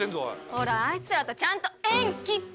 ほらあいつらとちゃんと縁切ってよ！